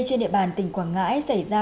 trên địa bàn tỉnh quảng ngãi xảy ra